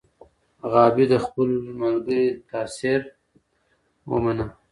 غابي د خپل ملګري تاثیر ومنه.